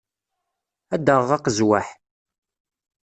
Ad d-aɣeɣ aqezwaḥ.